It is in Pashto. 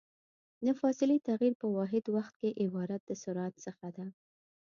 د فاصلې تغير په واحد وخت کې عبارت د سرعت څخه ده.